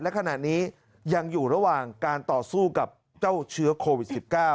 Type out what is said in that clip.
และขณะนี้ยังอยู่ระหว่างการต่อสู้กับเจ้าเชื้อโควิด๑๙